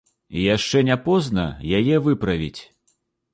І яшчэ не позна яе выправіць.